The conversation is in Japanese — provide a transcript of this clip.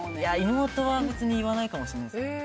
妹は別に言わないかもしれないです。